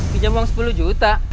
pinjam uang sepuluh juta